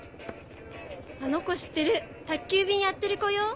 あの子知ってる宅急便やってる子よ。